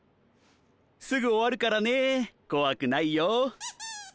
すぐ終わるからね怖くないよ。